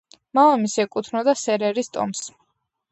მამამისი ეკუთვნოდა სერერის ტომს.